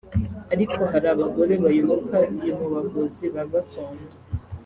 ariko hari abagore bayoboka iyo mu bavuzi ba gakondo